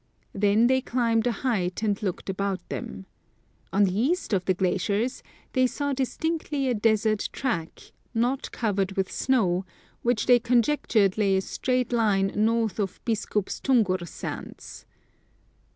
Then they climbed a height, and looked about them. On the east of the glaciers they saw distinctly a desert track, not covered with snow, which they conjectured lay in a straight line north of Biskups 231 Curiosities of Olden Times tungur sands.